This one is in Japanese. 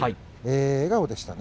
笑顔でした。